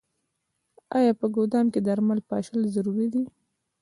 آیا په ګدام کې درمل پاشل ضروري دي؟